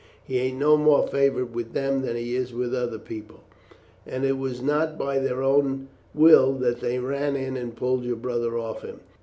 He ain't no more a favourite with them than he is with other people, and it was not by their own will that they ran in and pulled your brother off him.